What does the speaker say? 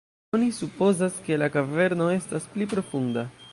Oni supozas, ke la kaverno estas pli profunda.